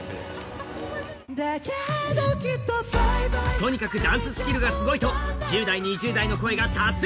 とにかくダンススキルがすごいと１０代、２０代の声が多数。